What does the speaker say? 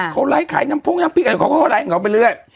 เขาไลฟ์ขายน้ำพุ่งน้ำพริกอะไรเขาก็ไลฟ์ของเขาไปเรื่อย